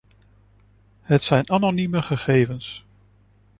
Het zijn anonieme gegevens.